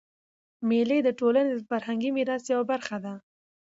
مېلې د ټولني د فرهنګي میراث یوه برخه ده.